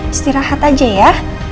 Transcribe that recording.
istirahat aja ya